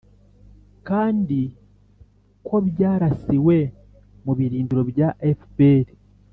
kandi ko byarasiwe mu birindiro bya fpr.